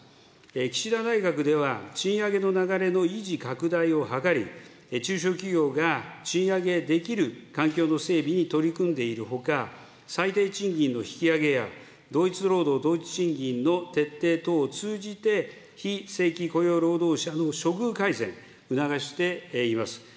岸田内閣では、賃上げの流れの維持、拡大を図り、中小企業が賃上げできる環境の整備に取り組んでいるほか、最低賃金の引き上げや、同一労働同一賃金の徹底等を通じて、非正規雇用労働者の処遇改善、促しています。